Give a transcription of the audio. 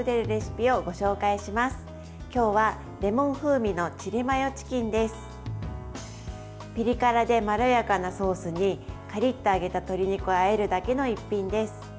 ピリ辛でまろやかなソースにカリッと揚げた鶏肉をあえるだけの一品です。